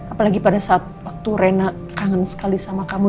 apalagi pada saat waktu rena kangen sekali sama kamu